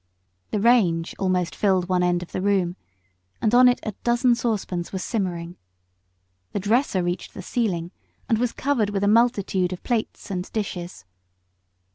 The range almost filled one end of the room, and on it a dozen saucepans were simmering; the dresser reached to the ceiling, and was covered with a multitude of plates and dishes.